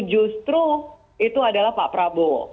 justru itu adalah pak prabowo